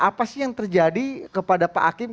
apa sih yang terjadi kepada pak hakim